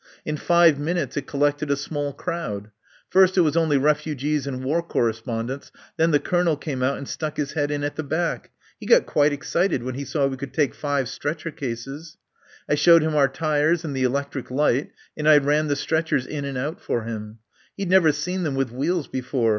In five minutes it collected a small crowd. First it was only refugees and war correspondents. Then the Colonel came out and stuck his head in at the back. He got quite excited when he saw we could take five stretcher cases. "I showed him our tyres and the electric light, and I ran the stretchers in and out for him. He'd never seen them with wheels before....